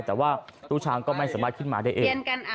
แต่ว่าตู้ช้างก็ไม่สามารถขึ้นมาได้เอง